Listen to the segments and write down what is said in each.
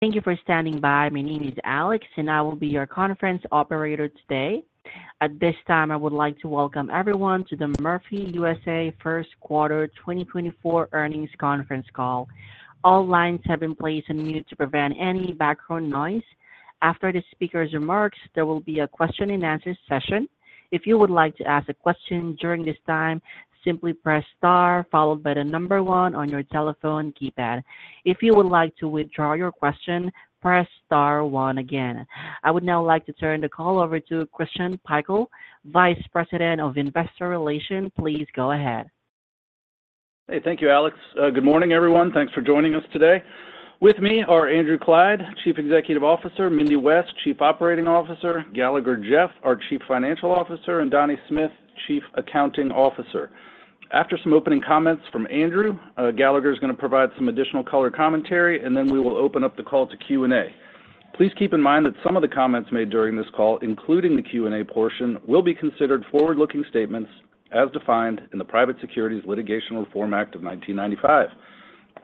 Thank you for standing by. My name is Alex, and I will be your conference operator today. At this time, I would like to welcome everyone to the Murphy USA Q1 2024 Earnings Conference Call. All lines have been placed on mute to prevent any background noise. After the speaker's remarks, there will be a question and answer session. If you would like to ask a question during this time, simply press star followed by the number one on your telephone keypad. If you would like to withdraw your question, press star one again. I would now like to turn the call over to Christian Pikul, Vice President of Investor Relations. Please go ahead. Hey, thank you, Alex. Good morning, everyone. Thanks for joining us today. With me are Andrew Clyde, Chief Executive Officer, Mindy West, Chief Operating Officer, Galagher Jeff, our Chief Financial Officer, and Donnie Smith, Chief Accounting Officer. After some opening comments from Andrew, Galagher is going to provide some additional color commentary, and then we will open up the call to Q&A. Please keep in mind that some of the comments made during this call, including the Q&A portion, will be considered forward-looking statements as defined in the Private Securities Litigation Reform Act of 1995.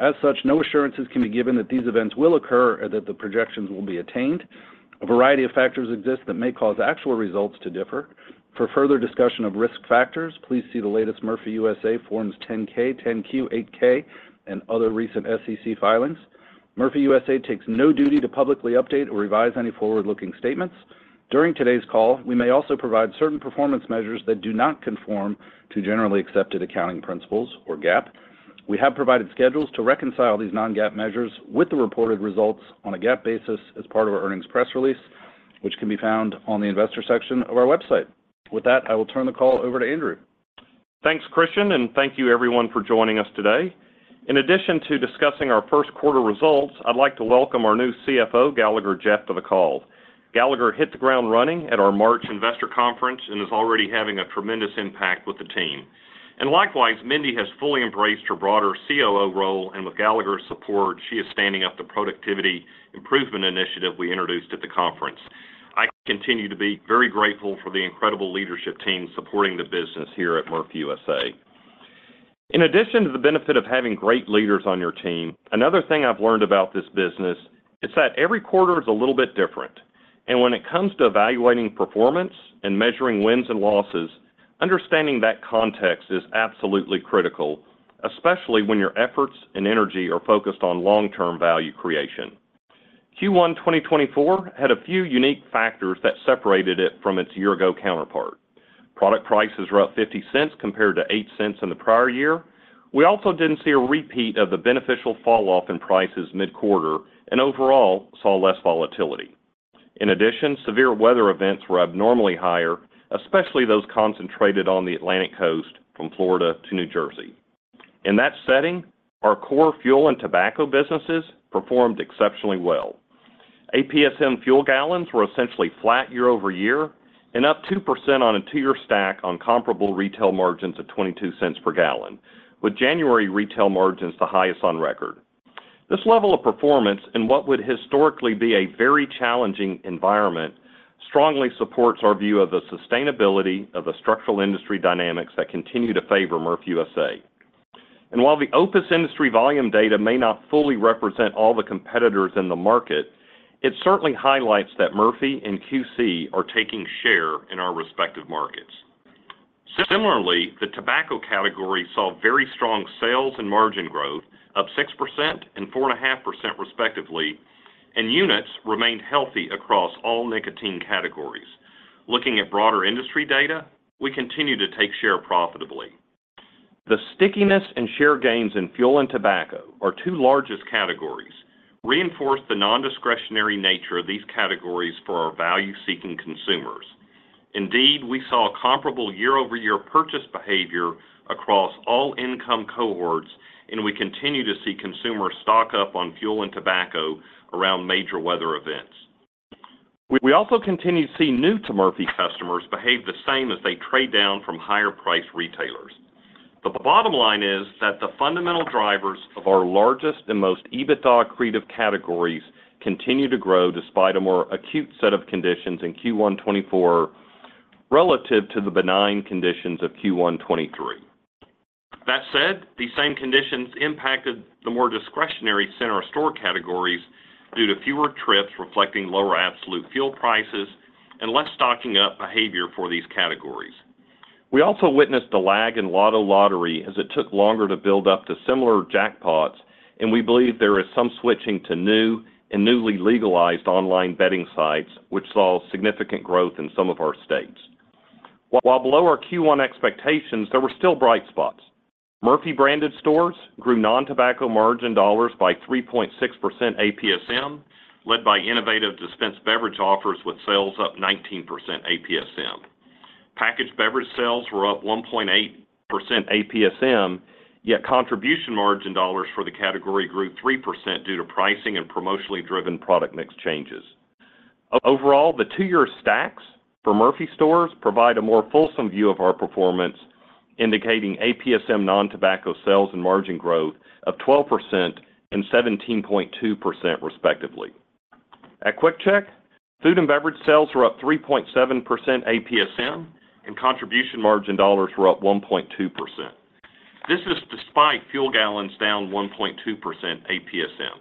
As such, no assurances can be given that these events will occur or that the projections will be attained. A variety of factors exist that may cause actual results to differ. For further discussion of risk factors, please see the latest Murphy USA forms 10-K, 10-Q, 8-K, and other recent SEC filings. Murphy USA takes no duty to publicly update or revise any forward-looking statements. During today's call, we may also provide certain performance measures that do not conform to generally accepted accounting principles or GAAP. We have provided schedules to reconcile these non-GAAP measures with the reported results on a GAAP basis as part of our earnings press release, which can be found on the investor section of our website. With that, I will turn the call over to Andrew. Thanks, Christian, and thank you everyone for joining us today. In addition to discussing our Q1 results, I'd like to welcome our new CFO, Galagher Jeff, to the call. Galagher hit the ground running at our March investor conference and is already having a tremendous impact with the team. And likewise, Mindy has fully embraced her broader COO role, and with Galagher's support, she is standing up the productivity improvement initiative we introduced at the conference. I continue to be very grateful for the incredible leadership team supporting the business here at Murphy USA. In addition to the benefit of having great leaders on your team, another thing I've learned about this business is that every quarter is a little bit different, and when it comes to evaluating performance and measuring wins and losses, understanding that context is absolutely critical, especially when your efforts and energy are focused on long-term value creation. Q1 2024 had a few unique factors that separated it from its year-ago counterpart. Product prices were up $0.50 compared to $0.08 in the prior year. We also didn't see a repeat of the beneficial falloff in prices mid-quarter and overall saw less volatility. In addition, severe weather events were abnormally higher, especially those concentrated on the Atlantic coast from Florida to New Jersey. In that setting, our core fuel and tobacco businesses performed exceptionally well. APSM fuel gallons were essentially flat year-over-year and up 2% on a 2-year stack on comparable retail margins of $0.22 per gallon, with January retail margins the highest on record. This level of performance in what would historically be a very challenging environment, strongly supports our view of the sustainability of the structural industry dynamics that continue to favor Murphy USA. And while the OPIS industry volume data may not fully represent all the competitors in the market, it certainly highlights that Murphy and QC are taking share in our respective markets. Similarly, the tobacco category saw very strong sales and margin growth up 6% and 4.5%, respectively, and units remained healthy across all nicotine categories. Looking at broader industry data, we continue to take share profitably. The stickiness and share gains in fuel and tobacco, our two largest categories, reinforce the non-discretionary nature of these categories for our value-seeking consumers. Indeed, we saw a comparable year-over-year purchase behavior across all income cohorts, and we continue to see consumers stock up on fuel and tobacco around major weather events. We also continue to see new to Murphy customers behave the same as they trade down from higher price retailers. But the bottom line is that the fundamental drivers of our largest and most EBITDA accretive categories continue to grow, despite a more acute set of conditions in Q1 2024, relative to the benign conditions of Q1 2023. That said, these same conditions impacted the more discretionary center store categories due to fewer trips, reflecting lower absolute fuel prices and less stocking up behavior for these categories. We also witnessed a lag in lotto lottery as it took longer to build up to similar jackpots, and we believe there is some switching to new and newly legalized online betting sites, which saw significant growth in some of our states. While below our Q1 expectations, there were still bright spots. Murphy branded stores grew non-tobacco margin dollars by 3.6% APSM, led by innovative dispensed beverage offers, with sales up 19% APSM. Packaged beverage sales were up 1.8% APSM, yet contribution margin dollars for the category grew 3% due to pricing and promotionally driven product mix changes. Overall, the two-year stacks for Murphy stores provide a more fulsome view of our performance, indicating APSM non-tobacco sales and margin growth of 12% and 17.2%, respectively. At QuickChek, food and beverage sales were up 3.7% APSM, and contribution margin dollars were up 1.2%. This is despite fuel gallons down 1.2% APSM.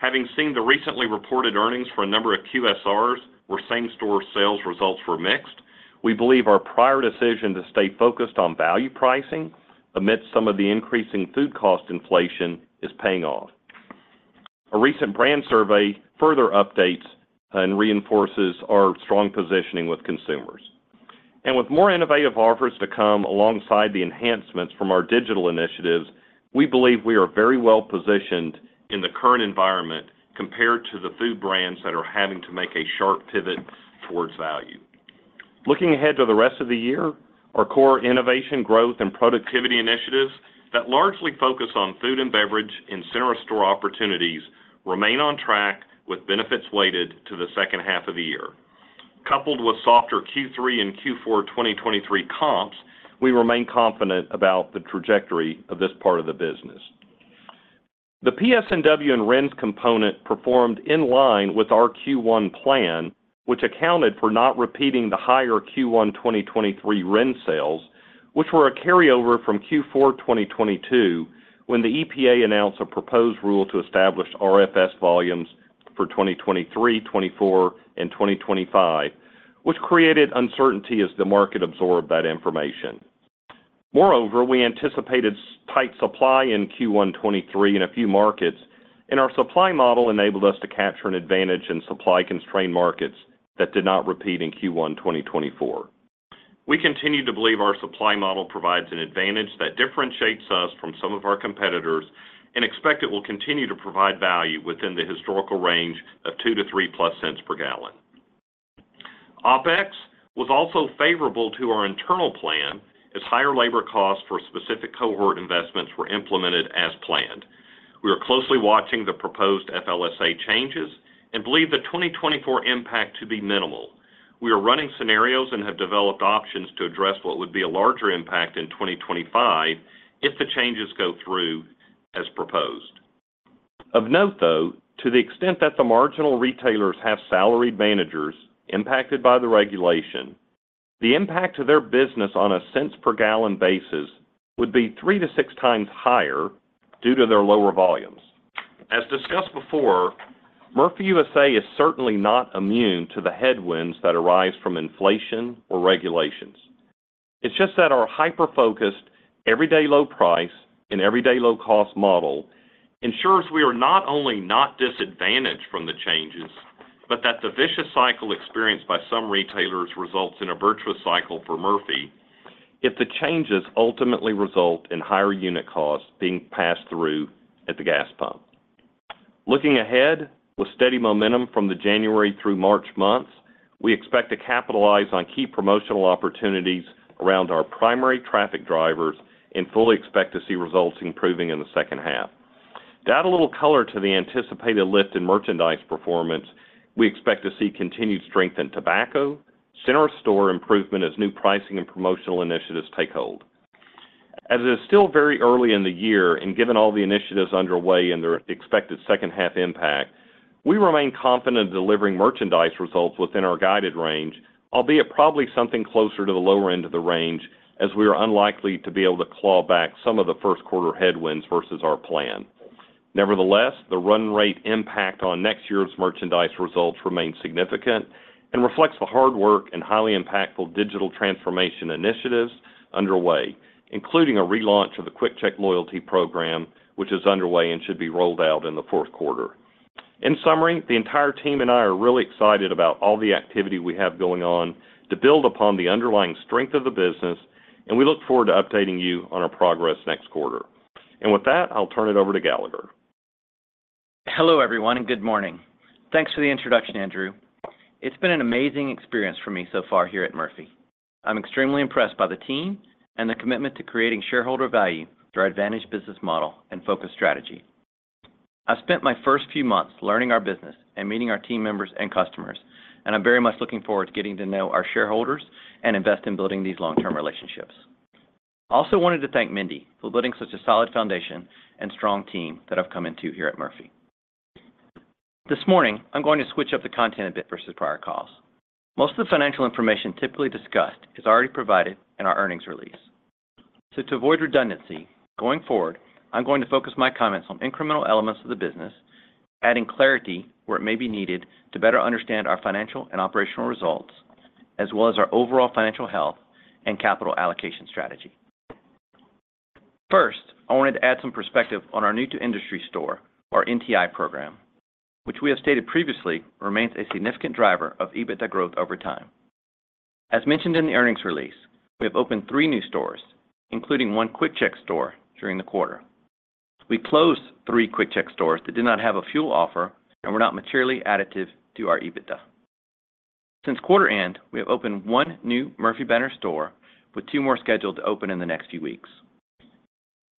Having seen the recently reported earnings for a number of QSRs, where same-store sales results were mixed, we believe our prior decision to stay focused on value pricing amidst some of the increasing food cost inflation is paying off. A recent brand survey further updates and reinforces our strong positioning with consumers. And with more innovative offers to come alongside the enhancements from our digital initiatives, we believe we are very well positioned in the current environment compared to the food brands that are having to make a sharp pivot towards value. Looking ahead to the rest of the year, our core innovation, growth, and productivity initiatives that largely focus on food and beverage and center store opportunities remain on track, with benefits weighted to the H2 of the year. Coupled with softer Q3 and Q4 2023 comps, we remain confident about the trajectory of this part of the business. The PS&W and RINs component performed in line with our Q1 plan, which accounted for not repeating the higher Q1 2023 RIN sales, which were a carryover from Q4 2022, when the EPA announced a proposed rule to establish RFS volumes for 2023, 2024, and 2025, which created uncertainty as the market absorbed that information. Moreover, we anticipated tight supply in Q1 2023 in a few markets, and our supply model enabled us to capture an advantage in supply-constrained markets that did not repeat in Q1 2024. We continue to believe our supply model provides an advantage that differentiates us from some of our competitors and expect it will continue to provide value within the historical range of $0.02-$0.03+ per gallon. OpEx was also favorable to our internal plan, as higher labor costs for specific cohort investments were implemented as planned. We are closely watching the proposed FLSA changes and believe the 2024 impact to be minimal. We are running scenarios and have developed options to address what would be a larger impact in 2025 if the changes go through as proposed. Of note, though, to the extent that the marginal retailers have salaried managers impacted by the regulation, the impact to their business on a cents per gallon basis would be 3-6 times higher due to their lower volumes. As discussed before, Murphy USA is certainly not immune to the headwinds that arise from inflation or regulations. It's just that our hyper-focused, everyday low price and everyday low-cost model ensures we are not only not disadvantaged from the changes, but that the vicious cycle experienced by some retailers results in a virtuous cycle for Murphy if the changes ultimately result in higher unit costs being passed through at the gas pump. Looking ahead, with steady momentum from the January through March months, we expect to capitalize on key promotional opportunities around our primary traffic drivers and fully expect to see results improving in the H2. To add a little color to the anticipated lift in merchandise performance, we expect to see continued strength in tobacco, center store improvement as new pricing and promotional initiatives take hold. As it is still very early in the year and given all the initiatives underway and their expected H2 impact, we remain confident in delivering merchandise results within our guided range, albeit probably something closer to the lower end of the range, as we are unlikely to be able to claw back some of the Q1 headwinds versus our plan. Nevertheless, the run rate impact on next year's merchandise results remains significant and reflects the hard work and highly impactful digital transformation initiatives underway, including a relaunch of the QuickChek loyalty program, which is underway and should be rolled out in the Q4. In summary, the entire team and I are really excited about all the activity we have going on to build upon the underlying strength of the business, and we look forward to updating you on our progress next quarter. With that, I'll turn it over to Galagher. Hello, everyone, and good morning. Thanks for the introduction, Andrew. It's been an amazing experience for me so far here at Murphy. I'm extremely impressed by the team and their commitment to creating shareholder value through our advantage business model and focused strategy. I've spent my first few months learning our business and meeting our team members and customers, and I'm very much looking forward to getting to know our shareholders and invest in building these long-term relationships. I also wanted to thank Mindy for building such a solid foundation and strong team that I've come into here at Murphy. This morning, I'm going to switch up the content a bit versus prior calls. Most of the financial information typically discussed is already provided in our earnings release. So to avoid redundancy, going forward, I'm going to focus my comments on incremental elements of the business, adding clarity where it may be needed to better understand our financial and operational results, as well as our overall financial health and capital allocation strategy. First, I wanted to add some perspective on our new-to-industry store, our NTI program, which we have stated previously, remains a significant driver of EBITDA growth over time. As mentioned in the earnings release, we have opened three new stores, including one QuickChek store, during the quarter. We closed three QuickChek stores that did not have a fuel offer and were not materially additive to our EBITDA. Since quarter end, we have opened one new Murphy banner store, with two more scheduled to open in the next few weeks.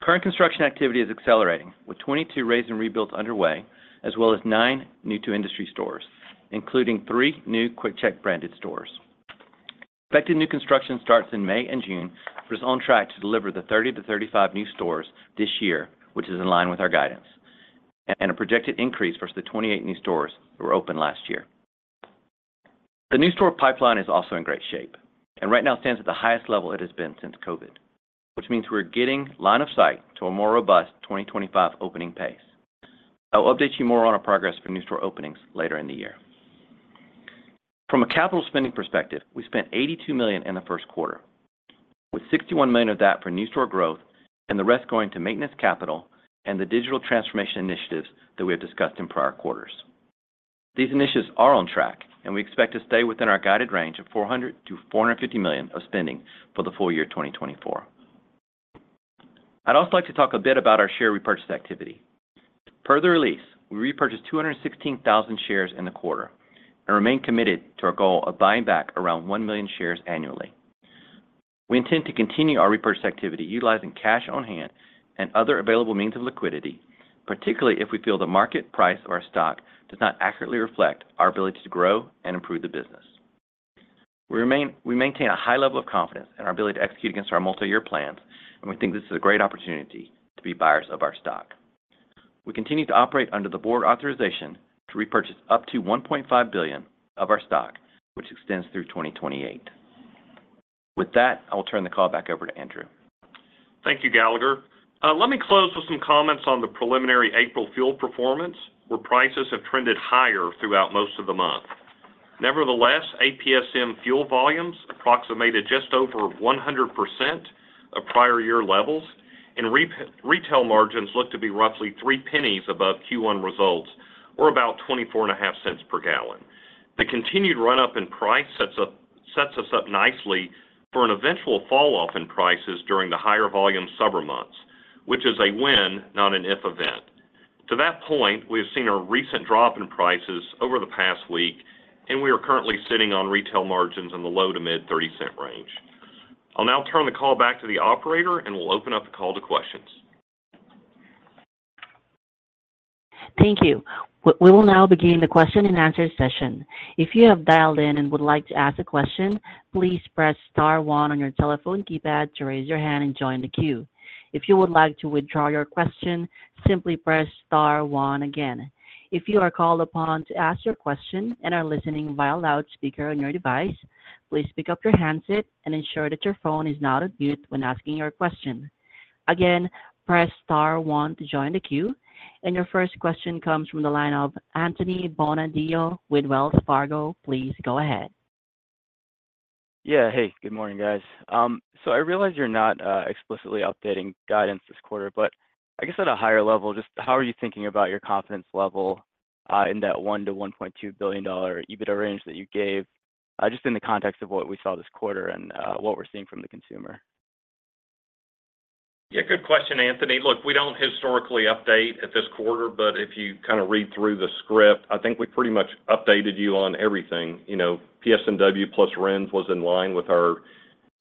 Current construction activity is accelerating, with 22 Raze and Rebuilds underway, as well as nine new-to-industry stores, including three new QuickChek-branded stores. Expected new construction starts in May and June, but is on track to deliver the 30-35 new stores this year, which is in line with our guidance and a projected increase versus the 28 new stores that were opened last year. The new store pipeline is also in great shape, and right now stands at the highest level it has been since COVID, which means we're getting line of sight to a more robust 2025 opening pace. I'll update you more on our progress for new store openings later in the year. From a capital spending perspective, we spent $82 million in the Q1, with $61 million of that for new store growth and the rest going to maintenance capital and the digital transformation initiatives that we have discussed in prior quarters. These initiatives are on track, and we expect to stay within our guided range of $400 million-$450 million of spending for the full year 2024. I'd also like to talk a bit about our share repurchase activity. Per the release, we repurchased 216,000 shares in the quarter and remain committed to our goal of buying back around 1 million shares annually. We intend to continue our repurchase activity, utilizing cash on hand and other available means of liquidity, particularly if we feel the market price of our stock does not accurately reflect our ability to grow and improve the business. We maintain a high level of confidence in our ability to execute against our multi-year plans, and we think this is a great opportunity to be buyers of our stock. We continue to operate under the board authorization to repurchase up to $1.5 billion of our stock, which extends through 2028. With that, I'll turn the call back over to Andrew. Thank you, Galagher. Let me close with some comments on the preliminary April fuel performance, where prices have trended higher throughout most of the month. Nevertheless, APSM fuel volumes approximated just over 100% of prior year levels, and retail margins look to be roughly $0.03 above Q1 results, or about 24.5 cents per gallon. The continued run-up in price sets us up nicely for an eventual falloff in prices during the higher volume summer months, which is a when, not an if event. To that point, we have seen a recent drop in prices over the past week, and we are currently sitting on retail margins in the low- to mid-30-cent range. I'll now turn the call back to the operator, and we'll open up the call to questions. Thank you. We will now begin the question-and-answer session. If you have dialed in and would like to ask a question, please press star one on your telephone keypad to raise your hand and join the queue. If you would like to withdraw your question, simply press star one again. If you are called upon to ask your question and are listening via loudspeaker on your device, please pick up your handset and ensure that your phone is not on mute when asking your question. Again, press star one to join the queue, and your first question comes from the line of Anthony Bonadio with Wells Fargo. Please go ahead. Yeah. Hey, good morning, guys. So I realize you're not explicitly updating guidance this quarter, but I guess at a higher level, just how are you thinking about your confidence level in that $1 billion-$1.2 billion EBITDA range that you gave just in the context of what we saw this quarter and what we're seeing from the consumer? Yeah, good question, Anthony. Look, we don't historically update at this quarter, but if you kind of read through the script, I think we pretty much updated you on everything. You know, PS&W plus RINs was in line with our,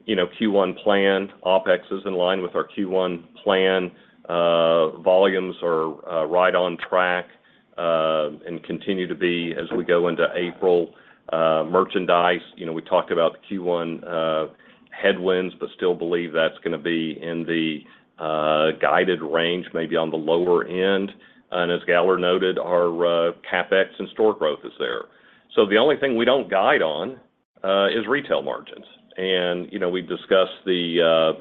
you know, Q1 plan. OpEx is in line with our Q1 plan. Volumes are right on track and continue to be as we go into April. Merchandise, you know, we talked about the Q1 headwinds, but still believe that's gonna be in the guided range, maybe on the lower end. And as Gallagher noted, our CapEx and store growth is there. So the only thing we don't guide on is retail margins. And, you know, we've discussed the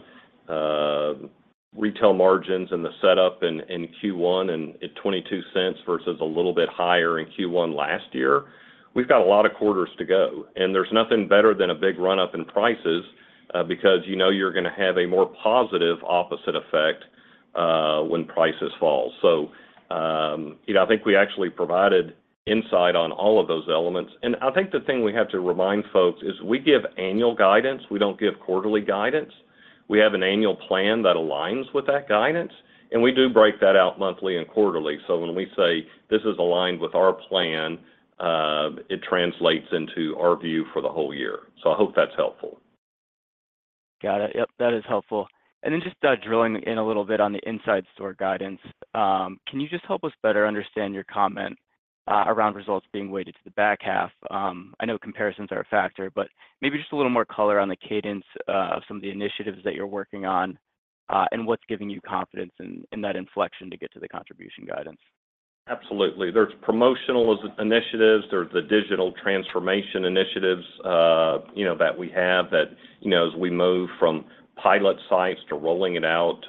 retail margins and the setup in Q1 and at $0.22 versus a little bit higher in Q1 last year. We've got a lot of quarters to go, and there's nothing better than a big run-up in prices, because you know you're gonna have a more positive opposite effect, when prices fall. So, you know, I think we actually provided insight on all of those elements. I think the thing we have to remind folks is we give annual guidance, we don't give quarterly guidance. We have an annual plan that aligns with that guidance, and we do break that out monthly and quarterly. So when we say this is aligned with our plan, it translates into our view for the whole year. So I hope that's helpful. Got it. Yep, that is helpful. And then just drilling in a little bit on the in-store guidance, can you just help us better understand your comment around results being weighted to the back half? I know comparisons are a factor, but maybe just a little more color on the cadence of some of the initiatives that you're working on, and what's giving you confidence in that inflection to get to the contribution guidance? Absolutely. There's promotional initiatives, there's the digital transformation initiatives, you know, that we have that, you know, as we move from pilot sites to rolling it out,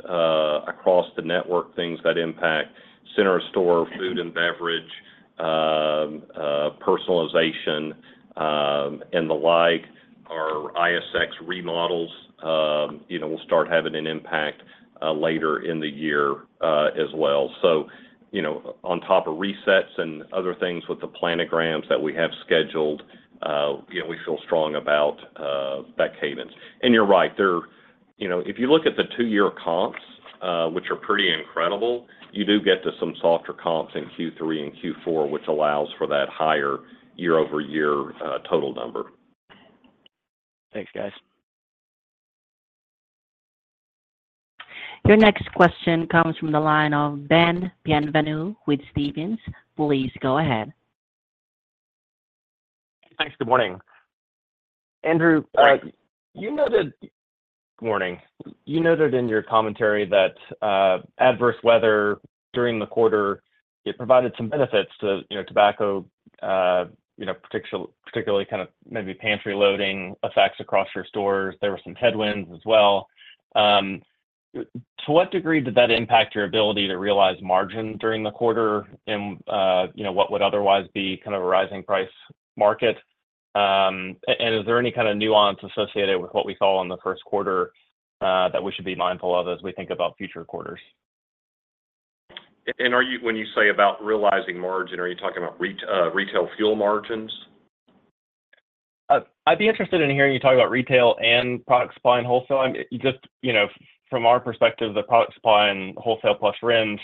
across the network, things that impact center store, food and beverage, personalization, and the like. Our ISE remodels, you know, will start having an impact, later in the year, as well. So, you know, on top of resets and other things with the planograms that we have scheduled, you know, we feel strong about, that cadence. And you're right. You know, if you look at the two-year comps, which are pretty incredible, you do get to some softer comps in Q3 and Q4, which allows for that higher year-over-year, total number. Thanks, guys. Your next question comes from the line of Ben Bienvenu with Stephens. Please go ahead. Thanks. Good morning.... Andrew, you noted in your commentary that adverse weather during the quarter provided some benefits to, you know, tobacco, you know, particularly kind of maybe pantry loading effects across your stores. There were some headwinds as well. To what degree did that impact your ability to realize margin during the quarter and, you know, what would otherwise be kind of a rising price market? And is there any kind of nuance associated with what we saw in the Q1 that we should be mindful of as we think about future quarters? When you say about realizing margin, are you talking about retail fuel margins? I'd be interested in hearing you talk about retail and product supply and wholesale. I mean, just, you know, from our perspective, the product supply and wholesale plus RINs,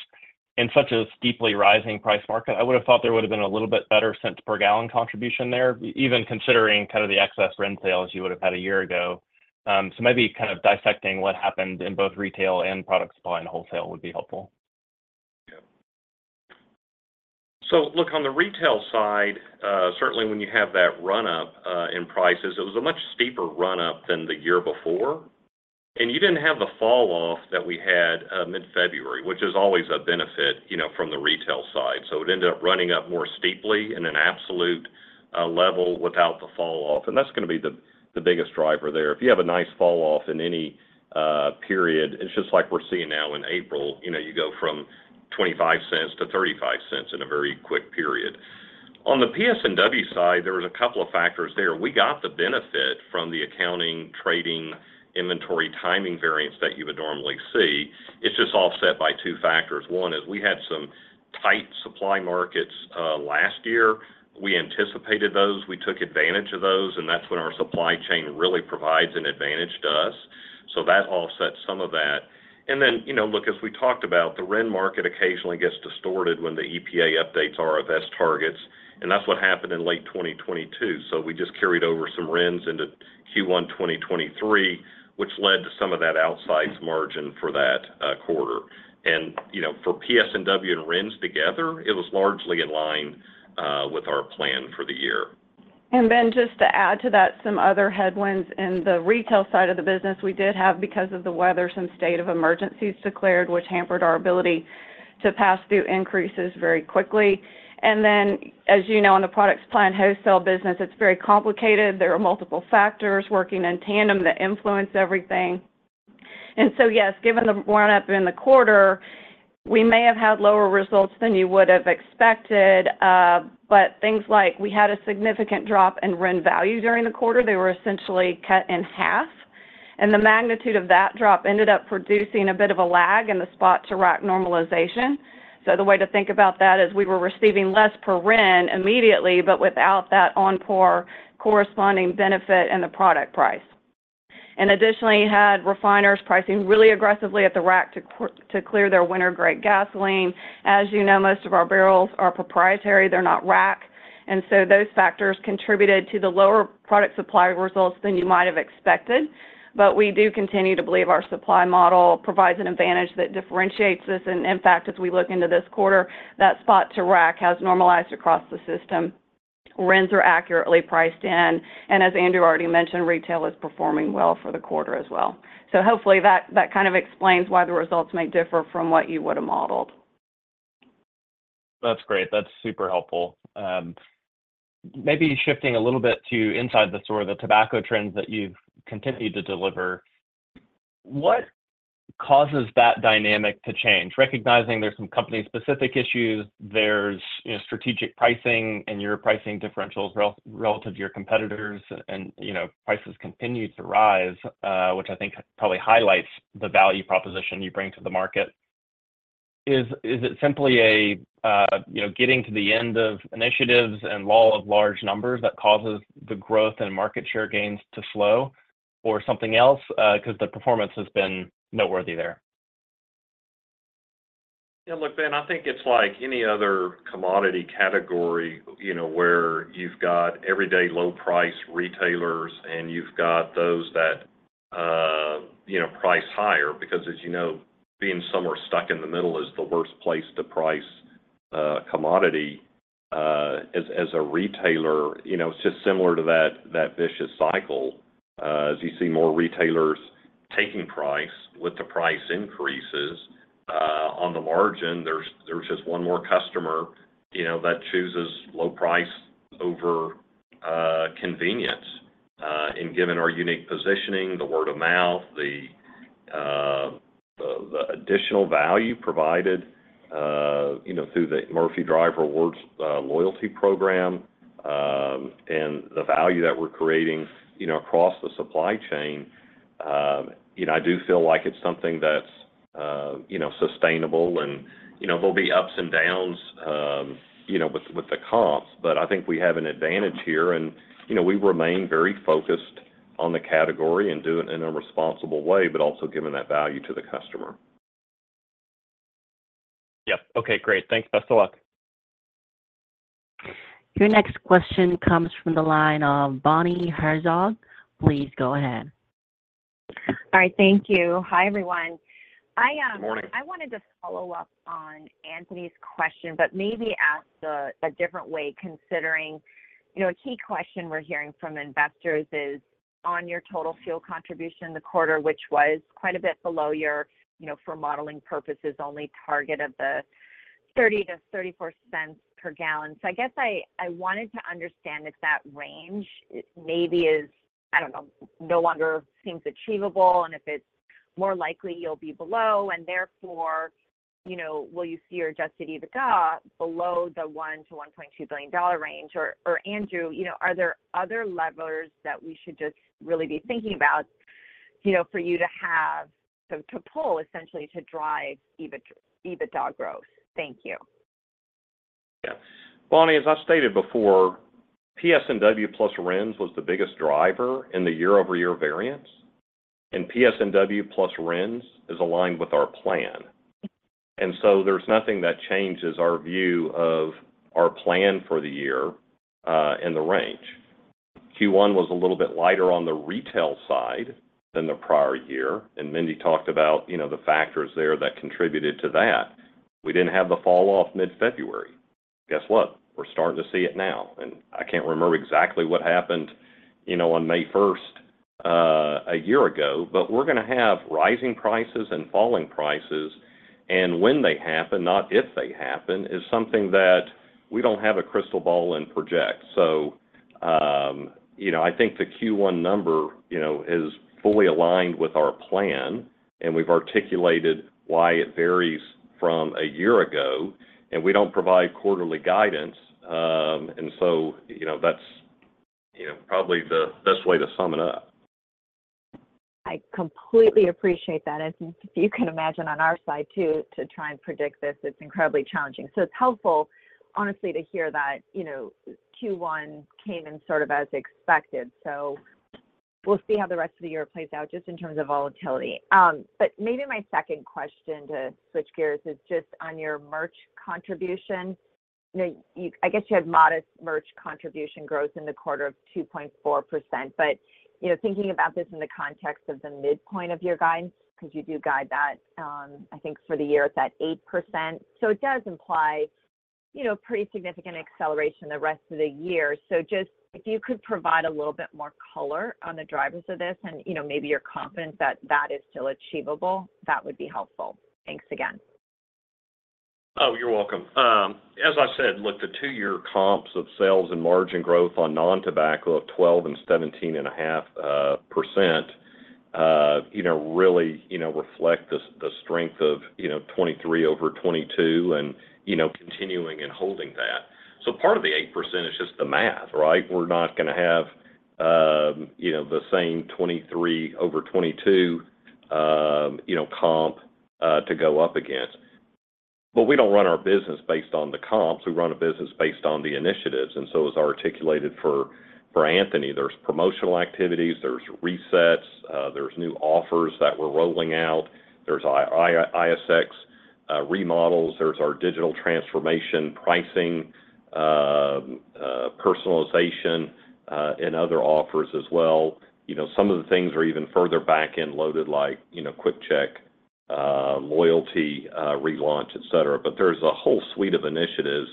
in such a steeply rising price market, I would have thought there would have been a little bit better cents per gallon contribution there, even considering kind of the excess RIN sales you would have had a year ago. So maybe kind of dissecting what happened in both retail and product supply and wholesale would be helpful. Yeah. So look, on the retail side, certainly when you have that run-up in prices, it was a much steeper run-up than the year before, and you didn't have the fall-off that we had mid-February, which is always a benefit, you know, from the retail side. So it ended up running up more steeply in an absolute level without the fall-off, and that's gonna be the biggest driver there. If you have a nice fall-off in any period, it's just like we're seeing now in April, you know, you go from $0.25-$0.35 in a very quick period. On the PS&W side, there was a couple of factors there. We got the benefit from the accounting, trading, inventory, timing variance that you would normally see. It's just offset by two factors. One is we had some tight supply markets last year. We anticipated those, we took advantage of those, and that's when our supply chain really provides an advantage to us. So that offsets some of that. And then, you know, look, as we talked about, the RIN market occasionally gets distorted when the EPA updates our RFS targets, and that's what happened in late 2022. So we just carried over some RINs into Q1 2023, which led to some of that outsized margin for that quarter. And, you know, for PS&W and RINs together, it was largely in line with our plan for the year. And Ben, just to add to that, some other headwinds in the retail side of the business, we did have, because of the weather, some state of emergencies declared, which hampered our ability to pass through increases very quickly. And then, as you know, on the product supply and wholesale business, it's very complicated. There are multiple factors working in tandem that influence everything. And so, yes, given the run-up in the quarter, we may have had lower results than you would have expected, but things like we had a significant drop in RIN value during the quarter. They were essentially cut in half, and the magnitude of that drop ended up producing a bit of a lag in the spot to rack normalization. So the way to think about that is we were receiving less per RIN immediately, but without that on par corresponding benefit in the product price. And additionally, you had refiners pricing really aggressively at the rack to clear their winter-grade gasoline. As you know, most of our barrels are proprietary, they're not rack, and so those factors contributed to the lower product supply results than you might have expected. But we do continue to believe our supply model provides an advantage that differentiates us, and in fact, as we look into this quarter, that spot to rack has normalized across the system. RINs are accurately priced in, and as Andrew already mentioned, retail is performing well for the quarter as well. So hopefully that, that kind of explains why the results may differ from what you would have modeled. That's great. That's super helpful. Maybe shifting a little bit to inside the store, the tobacco trends that you've continued to deliver. What causes that dynamic to change? Recognizing there's some company-specific issues, there's, you know, strategic pricing and your pricing differentials relative to your competitors, and, you know, prices continued to rise, which I think probably highlights the value proposition you bring to the market. Is it simply a, you know, getting to the end of initiatives and law of large numbers that causes the growth and market share gains to slow or something else? Because the performance has been noteworthy there. Yeah, look, Ben, I think it's like any other commodity category, you know, where you've got everyday low price retailers, and you've got those that, you know, price higher, because as you know, being somewhere stuck in the middle is the worst place to price a commodity. As a retailer, you know, it's just similar to that vicious cycle. As you see more retailers taking price with the price increases, on the margin, there's just one more customer, you know, that chooses low price over, convenience. And given our unique positioning, the word of mouth, the additional value provided, you know, through the Murphy Drive Rewards loyalty program, and the value that we're creating, you know, across the supply chain, you know, I do feel like it's something that's, you know, sustainable and, you know, there'll be ups and downs, you know, with the comps, but I think we have an advantage here. And, you know, we remain very focused on the category and do it in a responsible way, but also giving that value to the customer. Yep. Okay, great. Thanks. Best of luck. Your next question comes from the line of Bonnie Herzog. Please go ahead.... All right. Thank you. Hi, everyone. Good morning. I wanted to follow up on Anthony's question, but maybe ask a different way, considering, you know, a key question we're hearing from investors is on your total fuel contribution in the quarter, which was quite a bit below your, you know, for modeling purposes, only target of the $0.30-$0.34 per gallon. So I guess I wanted to understand if that range, it maybe is, I don't know, no longer seems achievable, and if it's more likely you'll be below, and therefore, you know, will you see your adjusted EBITDA below the $1-$1.2 billion range? Or, Andrew, you know, are there other levers that we should just really be thinking about, you know, for you to have to pull essentially to drive EBITDA growth? Thank you. Yeah. Bonnie, as I stated before, PS&W plus RINs was the biggest driver in the year-over-year variance, and PS&W plus RINs is aligned with our plan. And so there's nothing that changes our view of our plan for the year, and the range. Q1 was a little bit lighter on the retail side than the prior year, and Mindy talked about, you know, the factors there that contributed to that. We didn't have the fall off mid-February. Guess what? We're starting to see it now, and I can't remember exactly what happened, you know, on May 1st, a year ago, but we're gonna have rising prices and falling prices, and when they happen, not if they happen, is something that we don't have a crystal ball and project. You know, I think the Q1 number, you know, is fully aligned with our plan, and we've articulated why it varies from a year ago, and we don't provide quarterly guidance, and so, you know, that's, you know, probably the best way to sum it up. I completely appreciate that, and you can imagine on our side, too, to try and predict this, it's incredibly challenging. So it's helpful, honestly, to hear that, you know, Q1 came in sort of as expected. So we'll see how the rest of the year plays out, just in terms of volatility. But maybe my second question, to switch gears, is just on your merch contribution. You know, I guess you had modest merch contribution growth in the quarter of 2.4%, but, you know, thinking about this in the context of the midpoint of your guidance, because you do guide that, I think for the year at that 8%. So it does imply, you know, pretty significant acceleration the rest of the year. Just if you could provide a little bit more color on the drivers of this and, you know, maybe you're confident that that is still achievable, that would be helpful. Thanks again. Oh, you're welcome. As I said, look, the two-year comps of sales and margin growth on non-tobacco of 12% and 17.5%, you know, really reflect the strength of, you know, 2023 over 2022 and, you know, continuing and holding that. So part of the 8% is just the math, right? We're not gonna have, you know, the same 2023 over 2022, you know, comp to go up against. But we don't run our business based on the comps, we run a business based on the initiatives, and so as I articulated for Anthony, there's promotional activities, there's resets, there's new offers that we're rolling out, there's ISE remodels, there's our digital transformation, pricing, personalization, and other offers as well. You know, some of the things are even further back and loaded, like, you know, QuickChek, loyalty, relaunch, et cetera. But there's a whole suite of initiatives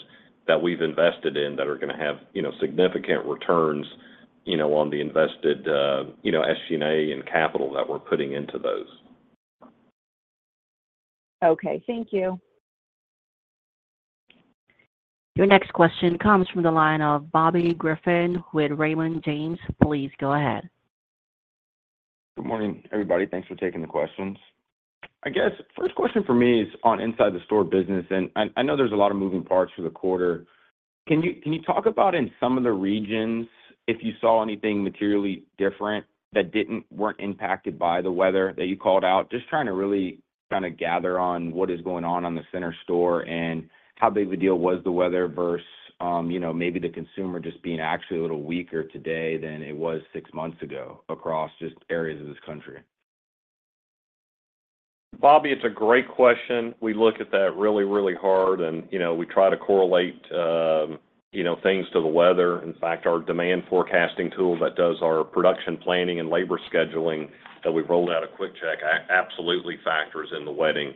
that we've invested in that are gonna have, you know, significant returns, you know, on the invested, you know, SG&A and capital that we're putting into those. Okay. Thank you. Your next question comes from the line of Bobby Griffin with Raymond James. Please go ahead. Good morning, everybody. Thanks for taking the questions. I guess, first question for me is on inside the store business, and I know there's a lot of moving parts for the quarter. Can you talk about in some of the regions if you saw anything materially different that weren't impacted by the weather that you called out? Just trying to really kind of gather on what is going on on the center store and how big of a deal was the weather versus, you know, maybe the consumer just being actually a little weaker today than it was six months ago across just areas of this country. Bobby, it's a great question. We look at that really, really hard and, you know, we try to correlate, you know, things to the weather. In fact, our demand forecasting tool that does our production planning and labor scheduling that we've rolled out at QuickChek absolutely factors in the weather.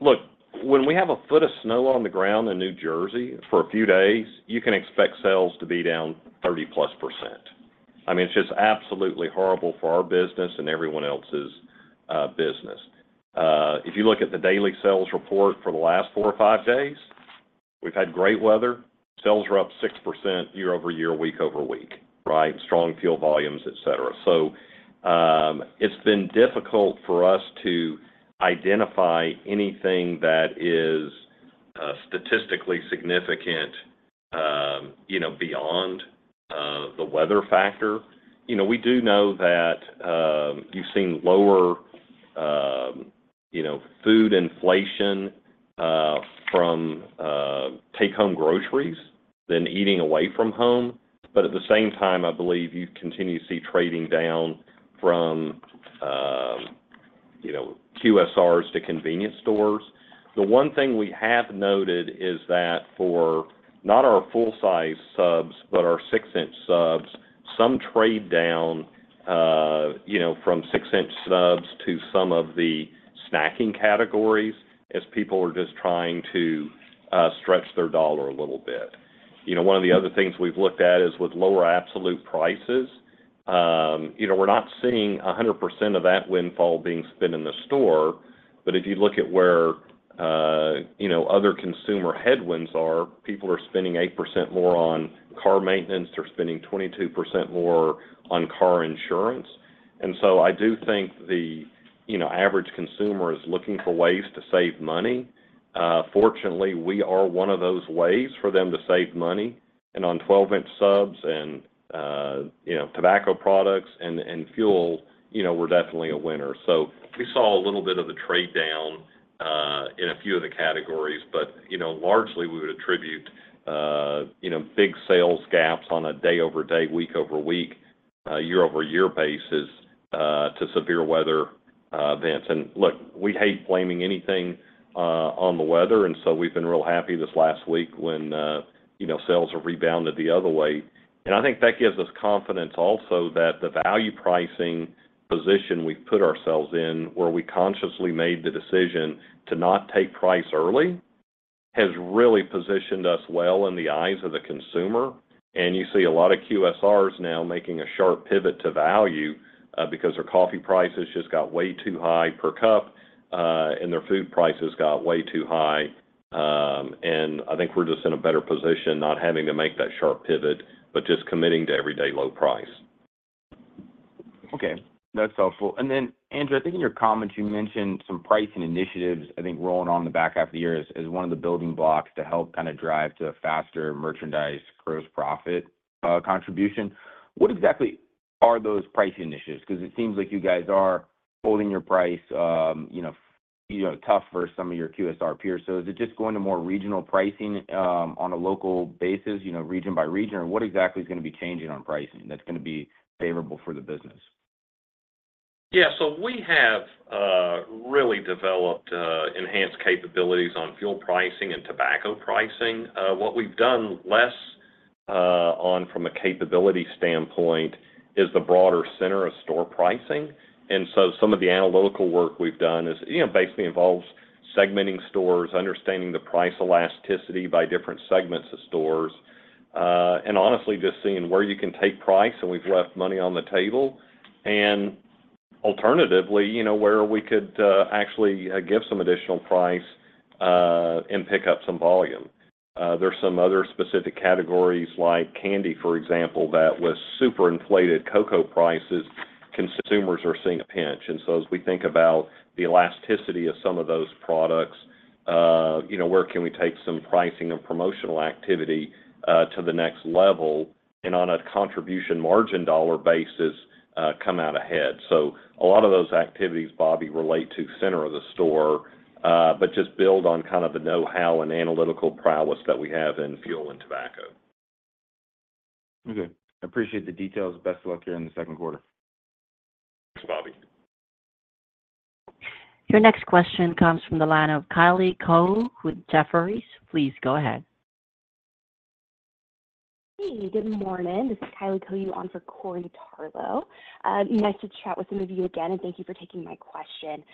Look, when we have a foot of snow on the ground in New Jersey for a few days, you can expect sales to be down 30%+. I mean, it's just absolutely horrible for our business and everyone else's business. If you look at the daily sales report for the last four or five days, we've had great weather. Sales are up 6% year-over-year, week-over-week, right? Strong fuel volumes, et cetera. So, it's been difficult for us to identify anything that is, statistically significant, you know, beyond, the weather factor. You know, we do know that, you've seen lower, you know, food inflation, from, take-home groceries than eating away from home. But at the same time, I believe you continue to see trading down from, you know, QSRs to convenience stores. The one thing we have noted is that for not our full-size subs, but our six-inch subs, some trade down, you know, from six-inch subs to some of the snacking categories as people are just trying to, stretch their dollar a little bit. You know, one of the other things we've looked at is with lower absolute prices, you know, we're not seeing 100% of that windfall being spent in the store, but if you look at where, you know, other consumer headwinds are, people are spending 8% more on car maintenance. They're spending 22% more on car insurance. And so I do think the, you know, average consumer is looking for ways to save money. Fortunately, we are one of those ways for them to save money. And on 12-inch subs and, you know, tobacco products and, and fuel, you know, we're definitely a winner. So we saw a little bit of the trade down in a few of the categories, but, you know, largely, we would attribute, you know, big sales gaps on a day-over-day, week-over-week, year-over-year basis to severe weather events. And look, we hate blaming anything on the weather, and so we've been real happy this last week when, you know, sales have rebounded the other way. And I think that gives us confidence also that the value pricing position we've put ourselves in, where we consciously made the decision to not take price early, has really positioned us well in the eyes of the consumer. And you see a lot of QSRs now making a sharp pivot to value because their coffee prices just got way too high per cup and their food prices got way too high. I think we're just in a better position, not having to make that sharp pivot, but just committing to everyday low price. Okay, that's helpful. And then, Andrew, I think in your comments, you mentioned some pricing initiatives, I think, rolling on in the back half of the year as one of the building blocks to help kinda drive to a faster merchandise gross profit contribution. What exactly are those pricing initiatives? Because it seems like you guys are holding your price, you know, tough for some of your QSR peers. So is it just going to more regional pricing, on a local basis, you know, region by region? Or what exactly is gonna be changing on pricing that's gonna be favorable for the business? Yeah, so we have really developed enhanced capabilities on fuel pricing and tobacco pricing. What we've done less on from a capability standpoint is the broader center of store pricing. And so some of the analytical work we've done is, you know, basically involves segmenting stores, understanding the price elasticity by different segments of stores, and honestly, just seeing where you can take price, and we've left money on the table. And alternatively, you know, where we could actually give some additional price and pick up some volume. There's some other specific categories like candy, for example, that with super inflated cocoa prices, consumers are seeing a pinch. And so as we think about the elasticity of some of those products, you know, where can we take some pricing and promotional activity to the next level, and on a contribution margin dollar basis, come out ahead? So a lot of those activities, Bobby, relate to center of the store, but just build on kind of the know-how and analytical prowess that we have in fuel and tobacco. Okay. I appreciate the details. Best of luck here in the Q2. Thanks, Bobby. Your next question comes from the line of Kylie Coe with Jefferies. Please go ahead. Hey, good morning. This is Kylie Coe, on for Corey Tarlowe. Nice to chat with some of you again, and thank you for taking my question.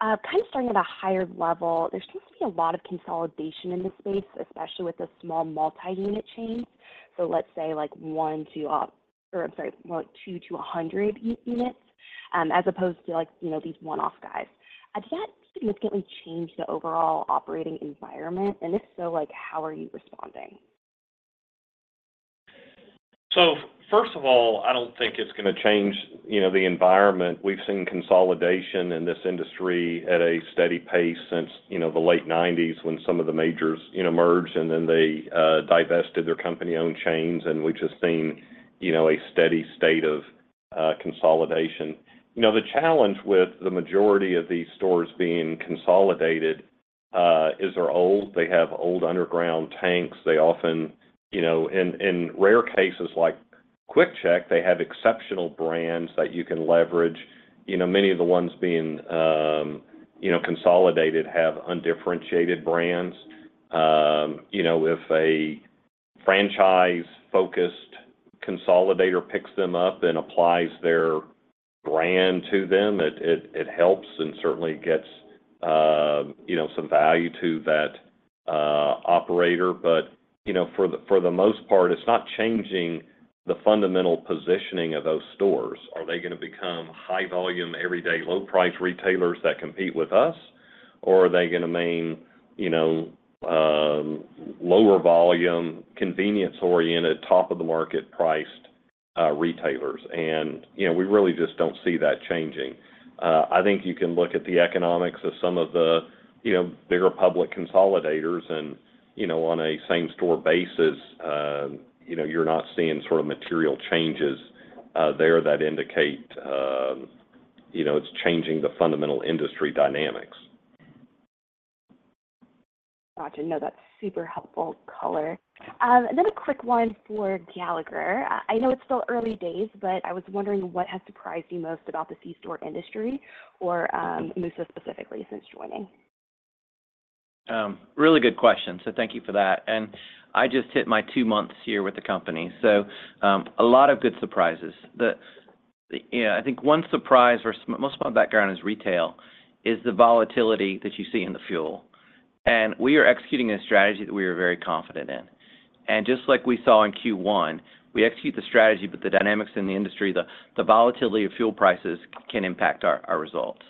Kind of starting at a higher level, there seems to be a lot of consolidation in this space, especially with the small multi-unit chains. So let's say, like, more like 2-100 units, as opposed to, like, you know, these one-off guys. Does that significantly change the overall operating environment? And if so, like, how are you responding? So first of all, I don't think it's gonna change, you know, the environment. We've seen consolidation in this industry at a steady pace since, you know, the late 90s when some of the majors, you know, merged and then they divested their company-owned chains, and we've just seen, you know, a steady state of consolidation. You know, the challenge with the majority of these stores being consolidated is they're old. They have old underground tanks. They often you know, in rare cases like QuickChek, they have exceptional brands that you can leverage. You know, many of the ones being you know, consolidated, have undifferentiated brands. You know, if a franchise-focused consolidator picks them up and applies their brand to them, it helps and certainly gets you know, some value to that operator. But, you know, for the, for the most part, it's not changing the fundamental positioning of those stores. Are they gonna become high volume, everyday, low price retailers that compete with us? Or are they gonna remain, you know, lower volume, convenience-oriented, top-of-the-market-priced, retailers? And, you know, we really just don't see that changing. I think you can look at the economics of some of the, you know, bigger public consolidators and, you know, on a same store basis, you know, you're not seeing sort of material changes, there that indicate, you know, it's changing the fundamental industry dynamics. Gotcha. No, that's super helpful color. Another quick one for Galagher. I know it's still early days, but I was wondering what has surprised you most about the C-store industry or, Murphy USA specifically since joining? Really good question, so thank you for that. And I just hit my two months here with the company, so, a lot of good surprises. You know, I think one surprise, or most of my background is retail, is the volatility that you see in the fuel. And we are executing a strategy that we are very confident in. And just like we saw in Q1, we execute the strategy, but the dynamics in the industry, the volatility of fuel prices can impact our results.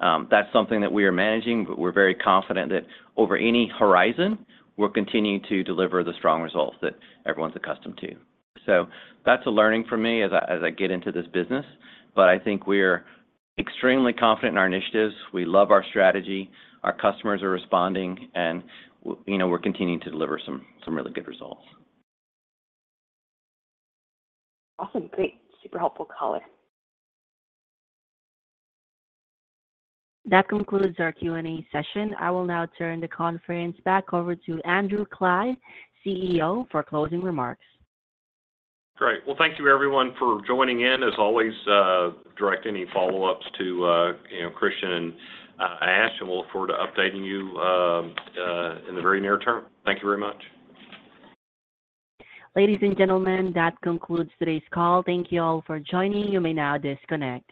That's something that we are managing, but we're very confident that over any horizon, we're continuing to deliver the strong results that everyone's accustomed to. So that's a learning for me as I get into this business, but I think we're extremely confident in our initiatives. We love our strategy, our customers are responding, and you know, we're continuing to deliver some really good results. Awesome. Great. Super helpful color. That concludes our Q&A session. I will now turn the conference back over to Andrew Clyde, CEO, for closing remarks. Great. Well, thank you, everyone, for joining in. As always, direct any follow-ups to, you know, Christian and Ash, and we'll look forward to updating you in the very near term. Thank you very much. Ladies and gentlemen, that concludes today's call. Thank you all for joining. You may now disconnect.